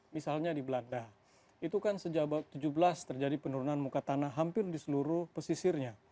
misalnya di belanda itu kan sejak abad tujuh belas terjadi penurunan muka tanah hampir di seluruh pesisirnya